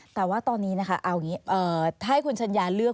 แต่ว่าตอนนี้นะคะเอาอย่างนี้ถ้าให้คุณชัญญาเลือก